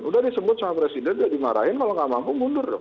udah disebut sama presiden dia dimarahin kalau nggak mampu mundur dong